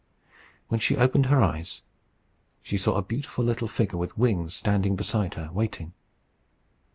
When she opened her eyes, she saw a beautiful little figure with wings standing beside her, waiting.